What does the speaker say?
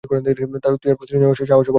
তুই আর প্রতিশোধ নেওয়ার সাহসও পাবি না!